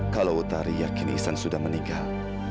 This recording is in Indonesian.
kalau utari yakin ihsan sudah meninggal